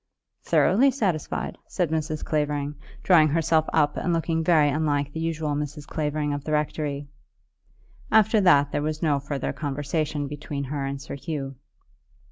"Thoroughly satisfied," said Mrs. Clavering, drawing herself up and looking very unlike the usual Mrs. Clavering of the rectory. After that there was no further conversation between her and Sir Hugh.